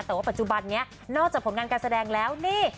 แต่ว่าปัจจุบันนี้นอกจากผลงานการแสดงแล้วนี่